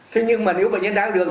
thế nhưng mà nếu bệnh nhân đáy đường